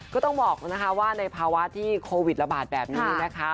ก็ต้องบอกนะคะว่าในภาวะที่โควิดระบาดแบบนี้นะคะ